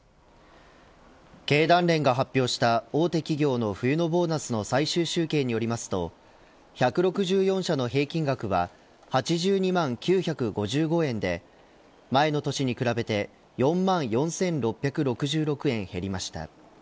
経団連が発表した大手企業の冬のボーナスの最終集計によりますと１６４社の平均額は８２万９５５円で前の年に比べて４万４６６６円減りました。